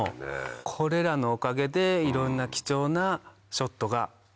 これらのおかげでいろんな貴重なショットが撮れました。